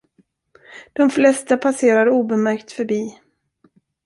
De flesta passerar obemärkt förbi.